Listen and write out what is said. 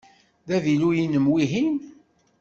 D avilu-inem wihin?